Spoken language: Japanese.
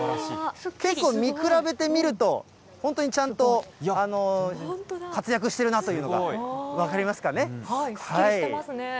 結構、見比べてみると、本当にちゃんと活躍してるなというのが分かりますっきりしてますね。